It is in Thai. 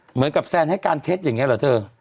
เหมือนกับแซนให้การเท็จอย่างนี้เหรอเธอ